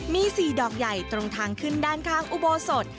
มี๔ดอกใหญ่ตรงทางขึ้นด้านข้างอุโบสถ